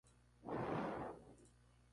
Su posición es la de mediocampo.